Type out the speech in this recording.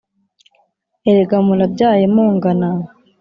erega murabyaye mungana